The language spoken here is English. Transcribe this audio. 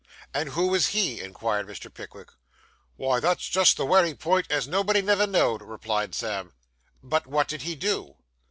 'And who was he?' inquired Mr. Pickwick. 'Wy, that's just the wery point as nobody never know'd,' replied Sam. 'But what did he do?